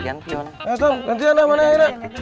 eh tom nanti anda kemana ya enak